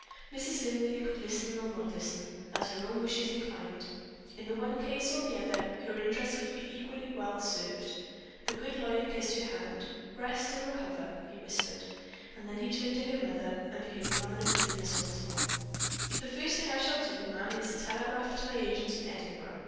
Mrs. Linley could listen or not listen, as her own wishes inclined. In the one case or in the other, her interests would be equally well served. The good lawyer kissed her hand. "Rest, and recover," he whispered. And then he turned to her mother and became a man of business once more. "The first thing I shall do, ma'am, is to telegraph to my agent in Edinburgh.